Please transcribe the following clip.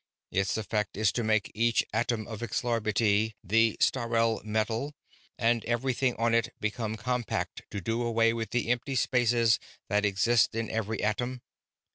Its effect is to make each atom of Xlarbti, the Sthalreh metal and everything on it, become compact, to do away with the empty spaces that exist in every atom.